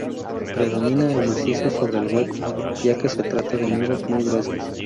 Predomina el macizo sobre el hueco, ya que se trata de muros muy gruesos.